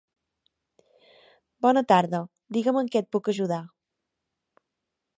Bona tarda, digues-me en què et puc ajudar.